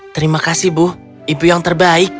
terima kasih bu ibu yang terbaik